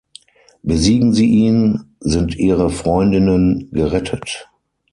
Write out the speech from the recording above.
Besiegen sie ihn, sind ihre Freundinnen gerettet.